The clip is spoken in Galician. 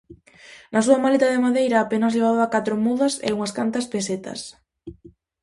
Na súa maleta de madeira apenas levaba catro mudas e unhas cantas pesetas.